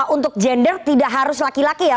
untuk gender tidak harus laki laki ya